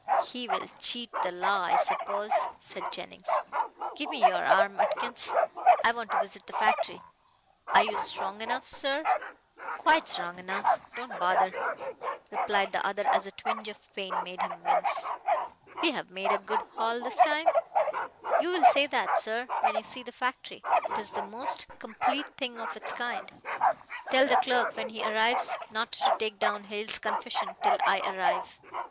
"He will cheat the law, I suppose," said Jennings, "give me your arm, Atkins. I want to visit the factory." "Are you strong enough, sir?" "Quite strong enough. Don't bother," replied the other as a twinge of pain made him wince. "We've made a good haul this time." "You'll say that, sir, when you see the factory. It is the most complete thing of its kind." "Tell the clerk when he arrives not to take down Hale's confession till I arrive.